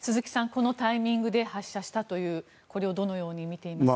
このタイミングで発射したというこれをどのように見ていますか？